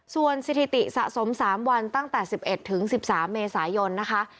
ส่วนสถิติสะสม๓วันตั้งแต่๑๑ถึง๑๓เมษายนนะคะ